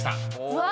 うわ！